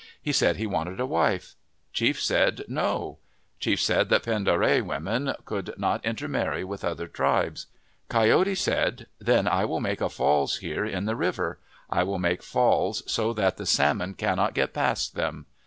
He said he wanted a wife. Chief said, " No/' Chief said that Pend d'Oreille women could not intermarry with other tribes. Coyote said, "Then I will make a falls here in the river. I will make falls so that the salmon cannot get past them."